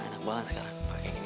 enak banget sekarang pakai ini